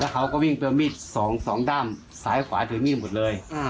เขาก็วิ่งตัวมิด๒ด้ามสายขวาถือมิดหมดเลย